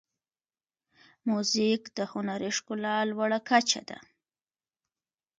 موزیک د هنري ښکلا لوړه کچه ده.